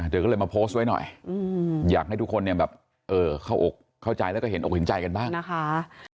เธอก็เลยมาโพสต์ไว้หน่อยอยากให้ทุกคนเนี่ยแบบเข้าอกเข้าใจแล้วก็เห็นอกเห็นใจกันบ้างนะคะ